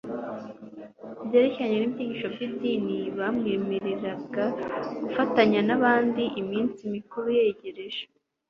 byerekeranye n'ibyigisho by'idini: bamwemereraga gufatanya n'abandi iminsi mikuru yejejwe